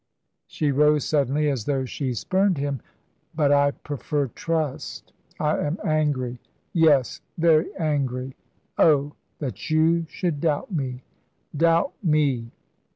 she rose suddenly, as though she spurned him but "I prefer trust. I am angry yes, very angry. Oh, that you should doubt me doubt me!"